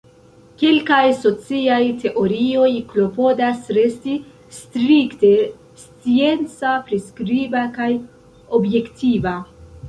Kelkaj sociaj teorioj klopodas resti strikte scienca, priskriba, kaj objektiva.